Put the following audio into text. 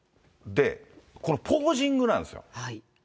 このポージングなんですよ。